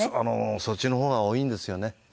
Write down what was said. そっちの方が多いんですよね。